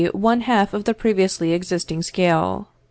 one half of the previously existing scale.